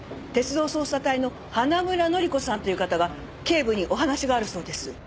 鉄道捜査隊の花村乃里子さんという方が警部にお話があるそうです。